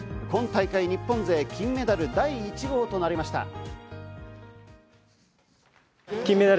今大会、日本勢金メダル第１号となりました。